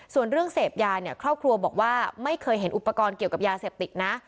ส่วนเรื่องเสพยาเนี่ยครอบครัวบอกว่าไม่เคยเห็นอุปกรณ์เกี่ยวกับยาเสพติดนะ